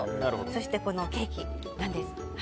そして、このケーキなんです。